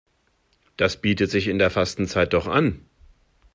Das bietet sich in der Fastenzeit doch an.